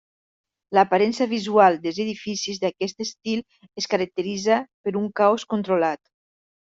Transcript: L'aparença visual dels edificis d'aquest estil es caracteritza per un caos controlat.